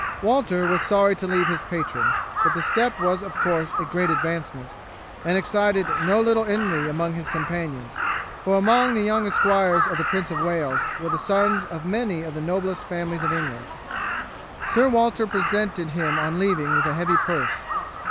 Walter was sorry to leave his patron, but the step was of course a great advancement, and excited no little envy among his companions, for among the young esquires of the Prince of Wales were the sons of many of the noblest families of England. Sir Walter presented him on leaving with a heavy purse.